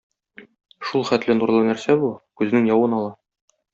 Шулхәтле нурлы нәрсә бу, күзнең явын ала.